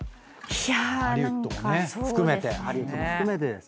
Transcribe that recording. ハリウッドもね含めて。